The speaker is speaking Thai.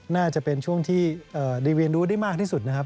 น่าจะเป็นช่วงที่ได้เรียนรู้ได้มากที่สุดนะครับ